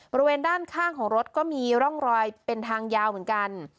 บริเวณด้านข้างของรถก็มีร่องรอยเป็นทางยาวเหมือนกัน